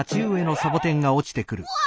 うわ！